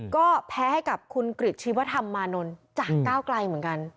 ก็แพ้ให้กับคุณกริจชีวธรรมมานนท์จากก้าวไกลเหมือนกัน